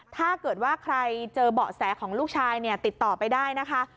ถ้าเกิดว่าใครเจอเบาะแสของลูกชายเนี่ยติดต่อไปได้นะคะ